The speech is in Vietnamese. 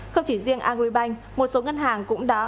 không chỉ riêng agribank một số ngân hàng cũng đã